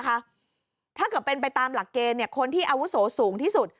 ถ้าเกิดเป็นไปตามหลักเกณฑ์คนที่อาวุโสสูงที่สุด